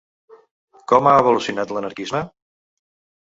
Com ha evolucionat l’anarquisme?